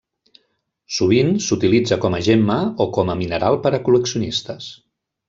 Sovint s'utilitza com a gemma o com a mineral per a col·leccionistes.